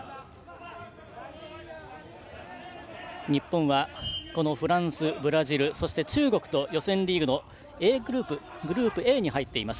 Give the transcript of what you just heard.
日本はフランス、ブラジル、中国と予選リーグのグループＡに入っています。